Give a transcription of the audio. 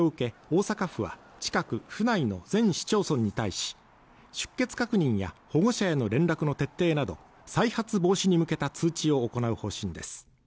大阪府は近く府内の全市町村に対し出欠確認や保護者への連絡の徹底など再発防止に向けた通知を行う方針です